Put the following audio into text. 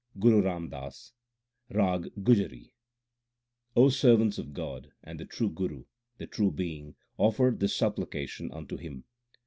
GURU RAM DAS, RAG GUJARI O servants of God and the true Guru, the true Being, offer this supplication unto Him.